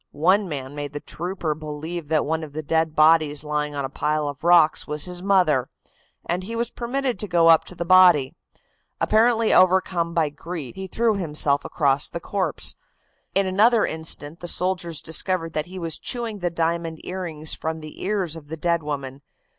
One man made the trooper believe that one of the dead bodies lying on a pile of rocks was his mother, and he was permitted to go up to the body. Apparently overcome by grief, he threw himself across the corpse. In another instant the soldiers discovered that he was chewing the diamond earrings from the ears of the dead woman.